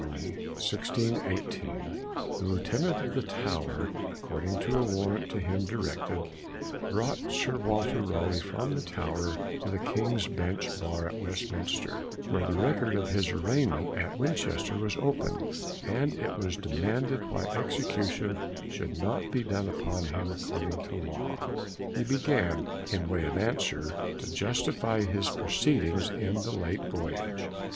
_ 1618, the Lieutenant of the Tower, according to a warrant to him directed, brought Sir Walter Raleigh from the Tower to the King's Bench Bar at Westminster, where the record of his arraignment at Winchester was opened, and it was demanded why execution should not be done upon him according to law. He began, in way of answer, to justify his proceedings in the late voyage.